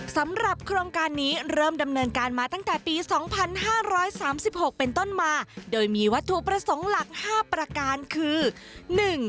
สำหรับโครงการนี้เริ่มดำเนินการมาตั้งแต่ปี๒๕๓๖เป็นต้นมาโดยมีวัตถุประสงค์หลัก๕ประการคือ